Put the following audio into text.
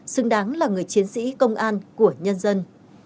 xứng đáng là người chiến sĩ công an của nhân dân